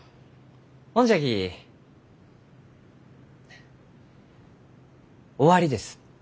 ほんじゃきフッ終わりです。